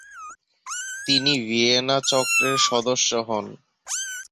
তিনি ভিয়েনা চক্রের সদস্য হন।